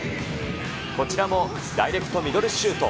こちらもダイレクトミドルシュート。